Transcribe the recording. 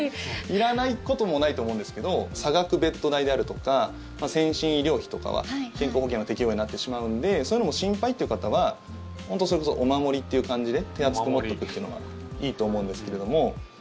いらないこともないと思うんですけど差額ベッド代であるとか先進医療費とかは健康保険の適用外になってしまうのでそういうのも心配っていう方はそれこそお守りっていう感じで手厚く持っておくっていうのがいいと思うんですけれども。